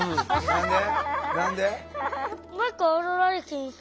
何で？